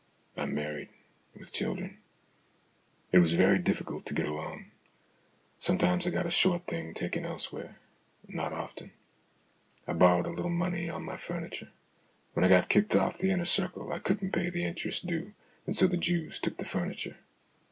I'm married, with children. It was very difficult to get along. Sometimes I got a Thft THE AUTOBIOGRAPHY OF AN IDEA 65 short thing taken elsewhere, not often. I borrowed a little money on my furniture. When I got kicked off The Inner Circle I couldn't pay the interest due, and so the Jews took the furniture.